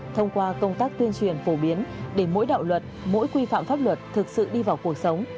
thông qua công tác tuyên truyền phổ biến để mỗi đạo luật mỗi quy phạm pháp luật thực sự đi vào cuộc sống